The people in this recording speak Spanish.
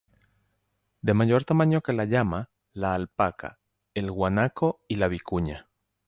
De mayor tamaño que la llama, la alpaca, el guanaco y la vicuña.